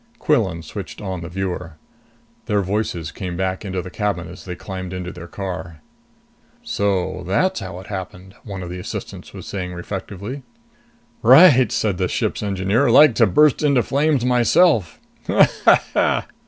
Quillan switched on the viewer. Their voices came back into the cabin as they climbed into their car. "So that's how it happened," one of the assistants was saying reflectively. "Right," said the ship's engineer. "Like to burst into flames myself." "Ha ha ha!"